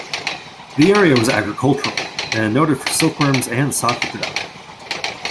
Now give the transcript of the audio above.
The area was agricultural and noted for silkworms and "sake" production.